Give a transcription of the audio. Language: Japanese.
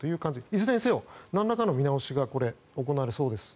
いずれにせよなんらかの見直しが行われそうです。